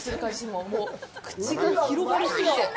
もう口が広がりすぎて。